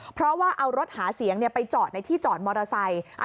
เพราะว่าเอารถหาเสียงไปจอดในที่จอดมอเตอร์ไซค์